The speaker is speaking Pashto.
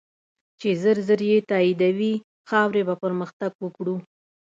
چی ژر ژر یی تایدوی ، خاوری به پرمختګ وکړو